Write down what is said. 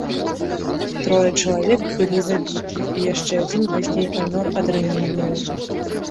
Трое чалавек былі забітыя, і яшчэ адзін пазней памёр ад раненняў.